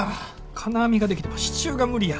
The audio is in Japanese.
金網ができても支柱が無理や。